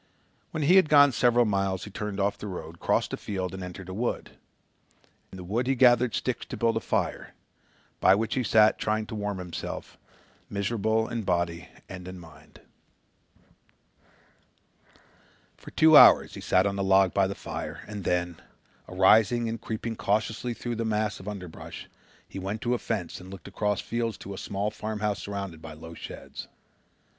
When he had gone several miles he turned off the road, crossed a field and entered a wood. In the wood he gathered sticks to build a fire, by which he sat trying to warm himself, miserable in body and in mind. For two hours he sat on the log by the fire and then, arising and creeping cautiously through a mass of underbrush, he went to a fence and looked across fields to a small farmhouse surrounded by low sheds.